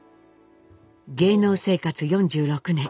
芸能生活４６年。